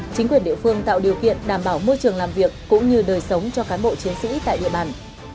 chính quyền địa phương tạo điều kiện đảm bảo môi trường làm việc cũng như đời sống cho cán bộ chiến sĩ tại địa bàn